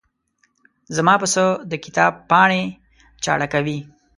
زما پسه د کتاب پاڼې چاړه کوي.